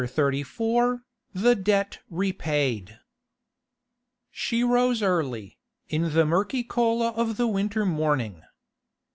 CHAPTER XXXIV THE DEBT REPAID She rose early, in the murky cold of the winter morning.